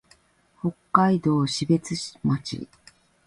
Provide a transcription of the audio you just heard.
北海道標津町